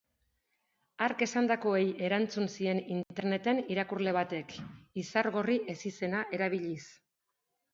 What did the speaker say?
Hark esandakoei erantzun zien interneten irakurle batek, Izargorri ezizena erabiliz.